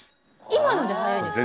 今ので速いですか？